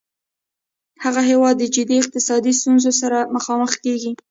هغه هیواد د جدي اقتصادي ستونځو سره مخامخ کیږي